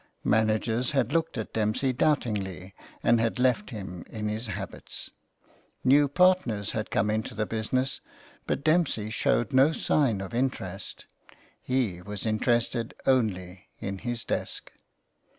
Managers had looked at Dempsey doubtingly and had left him in his habits. New partners had come into the busi ness, but Dempsey showed no sign of interest. He was interested only in his desk.